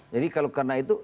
jadi kalau karena itu